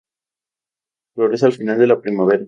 Florece al final de la primavera.